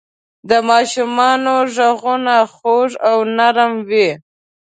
د ماشومانو ږغونه خوږ او نرم وي.